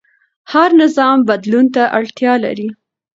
هر نظام بدلون ته اړتیا لري